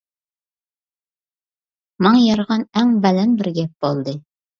ماڭا يارىغان ئەڭ بەلەن بىر گەپ بولدى.